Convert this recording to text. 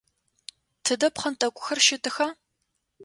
Тыдэ пхъэнтӏэкӏухэр щытыха?